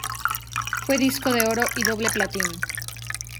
Fue disco de oro y doble platino.